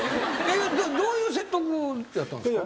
どういう説得やったんすか？